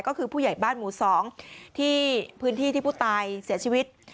ก็คือผู้ใหญ่บ้านหมู่๒ที่พื้นที่ที่ผู้ตายเสียชีวิต